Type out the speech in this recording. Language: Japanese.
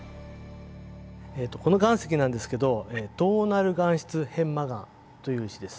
この岩石なんですけどトーナル岩質片麻岩という石です。